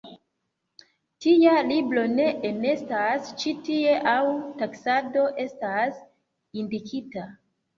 Tia libro ne enestas ĉi tie aŭ taksado estas indikita.